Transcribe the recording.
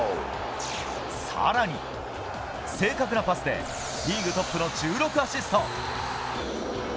さらに、正確なパスで、リーグトップの１６アシスト。